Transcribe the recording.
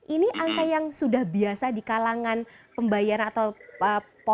ini angka yang sudah biasa di kalangan pembayaran atau